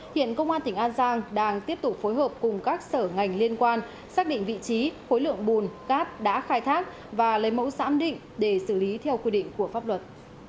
hiện công an tỉnh an giang đang tiếp tục phối hợp cùng các sở ngành liên quan xác định vị trí khối lượng bùn cát đã khai thác và lấy mẫu giám định để xử lý theo quy định của pháp luật